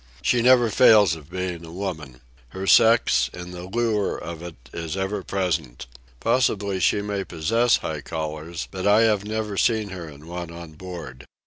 She never fails of being a woman. Her sex, and the lure of it, is ever present. Possibly she may possess high collars, but I have never seen her in one on board.